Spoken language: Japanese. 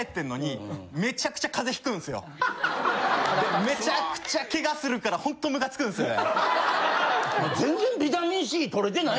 なるほど。でめちゃくちゃ怪我するからホントムカつくんすよね。